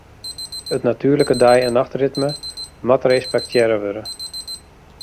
It natuerlike dei- en nachtritme moat respektearre wurde.